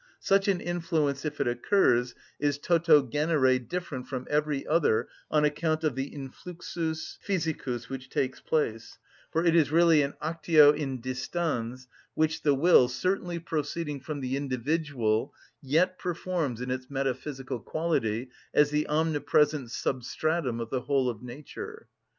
Such an influence, if it occurs, is toto genere different from every other on account of the influxus physicus which takes place, for it is really an actio in distans which the will, certainly proceeding from the individual, yet performs in its metaphysical quality as the omnipresent substratum of the whole of nature.